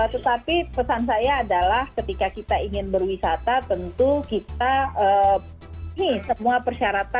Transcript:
tetapi pesan saya adalah ketika kita ingin berwisata tentu kita semua persyaratan